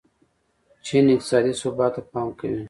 چین اقتصادي ثبات ته پام کوي.